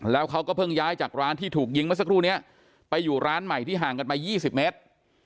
แล้วเขาก็เพิ่งย้ายจากร้านที่ถูกยิงเมื่อสักครู่นี้ไปอยู่ร้านใหม่ที่ห่างกันมา๒๐เมตร